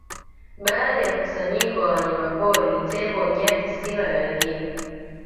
Baadhi ya mkusanyiko wa wanyama pori ni tembo nyati simba na wengine